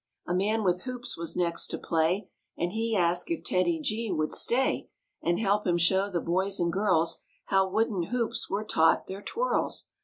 A man with hoops was next to play And he asked if TEDDY G would stay And help him show the boys and girls How wooden hoops were taught their twirls.